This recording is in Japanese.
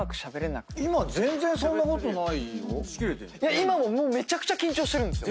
今もめちゃくちゃ緊張してるんですよ。